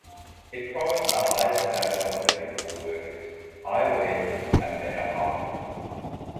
It promised a higher standard of living for workers, higher wages, and better housing.